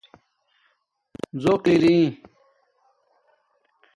ژق اری